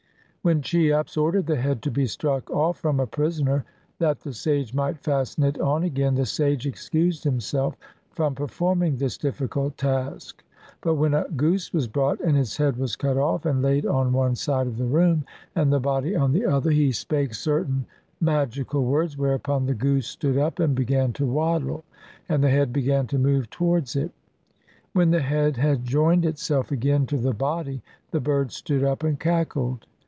When Cheops ordered the head to be struck off from a prisoner that the sage might fasten it on again, the sage excused himself from performing this difficult task ; but when a goose was brought, and its head was cut off and laid on one side of the room and the body on the other, he spake certain magical words, whereupon the goose stood up and begun to waddle, and the head began to move towards it. When the head had joined itself again to the body the bird stood up and cackled.